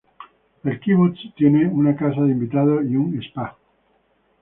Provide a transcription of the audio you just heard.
El "kibutz" tiene una casa de invitados y un "spa".